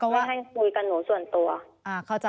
ว่าให้คุยกับหนูส่วนตัว